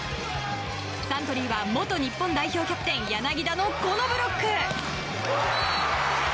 サントリーは元日本代表キャプテン、柳田のこのブロック！